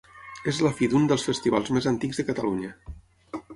És la fi d'un dels festivals més antics de Catalunya.